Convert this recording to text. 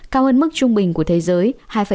cao hơn mức trung bình của thế giới hai